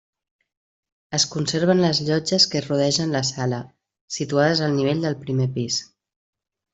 Es conserven les llotges que rodegen la sala, situades al nivell del primer pis.